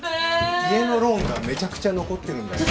家のローンがめちゃくちゃ残ってるんだよ。